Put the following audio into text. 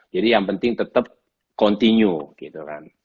jadi yang penting tetap continue gitu kan